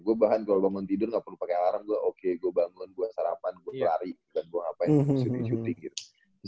gue bahkan kalau bangun tidur gak perlu pakai alarm gue oke gue bangun gue sarapan gue lari dan gue ngapain gue syuting syuting gitu